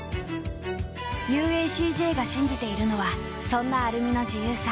ＵＡＣＪ が信じているのはそんなアルミの自由さ。